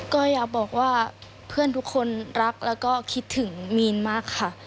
ก็อยากบอกว่าเพื่อนทุกคนรักแล้วก็คิดถึงมีนมากค่ะ